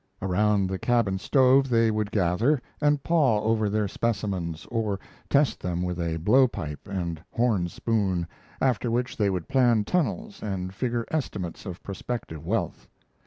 Around the cabin stove they would gather, and paw over their specimens, or test them with blow pipe and "horn" spoon, after which they would plan tunnels and figure estimates of prospective wealth.